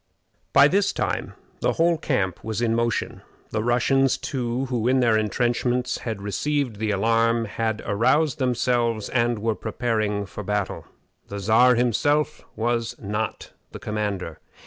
By this time the whole camp was in motion. The Russians, too, who in their intrenchments had received the alarm, had aroused themselves and were preparing for battle. The Czar himself was not the commander.